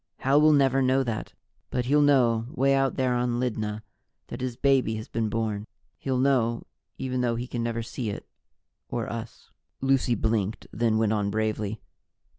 Hal will never know that, but he'll know, way out there on Lydna, that his baby has been born. He'll know, even though he can never see it or us." Lucy blinked, then went on bravely.